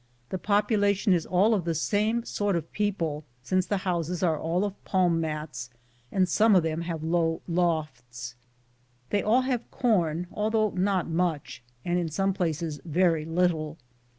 The population is all of the same sort of people, since the houses are all of palm mats, and some of them have low lofts. They all have corn, although not much, and in some places very little.